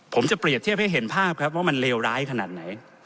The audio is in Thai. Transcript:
ผมจะเปรียบเทียบให้เห็นภาพครับว่ามันเลวร้ายขนาดไหน